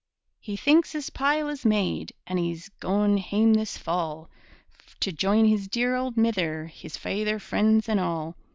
He thinks his pile is made, An' he's goin' hame this fall, To join his dear auld mither, His faither, freends, and all.